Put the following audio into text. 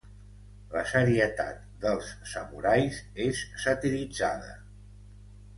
La serietat dels samurais és satiritzada.